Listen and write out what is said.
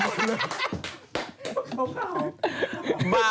เขาเข้า